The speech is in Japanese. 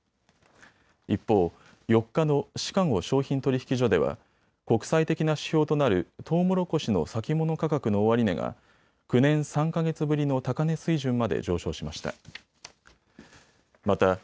一方、４日のシカゴ商品取引所では国際的な指標となるトウモロコシの先物価格の終値が９年３か月ぶりの高値水準まで上昇しました。